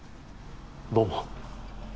どうも。